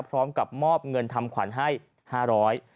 พร้อมกับมอบเงินทำขวัญให้๕๐๐บาท